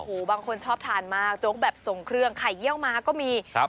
บางคนชอบทานมากโจ๊กแบบทรงเครื่องไข่เยี่ยวมาก็มีครับ